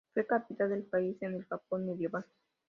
Fue capital del país en el Japón medieval.